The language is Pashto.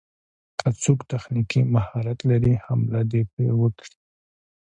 که څوک تخنيکي مهارت لري حمله دې پرې وکړي.